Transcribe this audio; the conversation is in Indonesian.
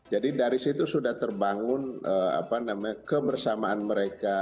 jadi dari situ sudah terbangun apa namanya kebersamaan mereka